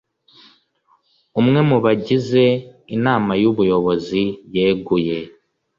Umwe Mu Bagize Inama Y Ubuyobozi Yeguye